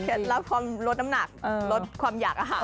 รับความลดน้ำหนักลดความอยากอาหาร